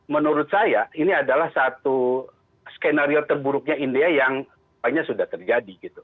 menurut saya ini adalah satu skenario terburuknya india yang sudah terjadi gitu